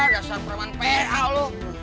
dasar perempuan pa lu